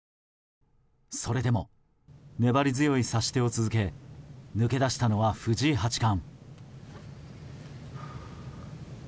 それでも、粘り強い指し手を続け抜け出したのは藤井八冠。